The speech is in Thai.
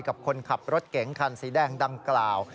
กับคนขับรถเก๋งคันสีแดงดังกล่าว